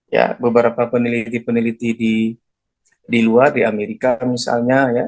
ya beberapa peneliti peneliti di luar di amerika misalnya ya